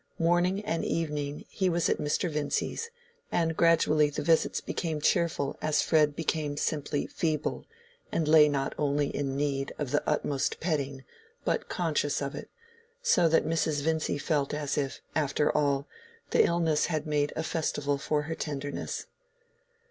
Morning and evening he was at Mr. Vincy's, and gradually the visits became cheerful as Fred became simply feeble, and lay not only in need of the utmost petting but conscious of it, so that Mrs. Vincy felt as if, after all, the illness had made a festival for her tenderness.